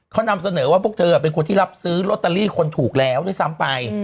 เขานำเสนอว่าพวกเธอเป็นคนที่รับซื้อลอตเตอรี่คนถูกแล้วด้วยซ้ำไป